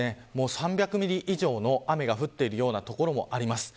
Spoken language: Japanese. ３００ミリ以上の雨が降っているような所もあります。